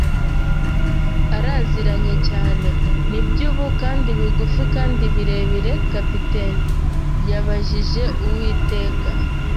araziranye cyane. ” “Nibyo, ubu, kandi bigufi kandi birebire, capitaine?” yabajije Uwiteka